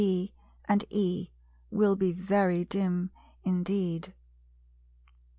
D and E, will be very dim indeed.